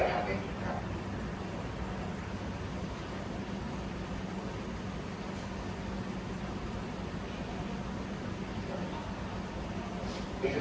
คุณพร้อมกับเต้ย